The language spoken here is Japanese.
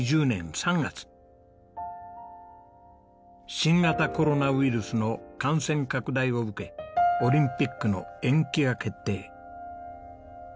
新型コロナウイルスの感染拡大を受けオリンピックの延期が決定。